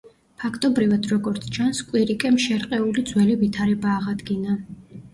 ფაქტობრივად, როგორც ჩანს, კვირიკემ შერყეული ძველი ვითარება აღადგინა.